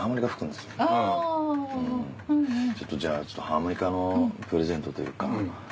ちょっとハーモニカのプレゼントというか。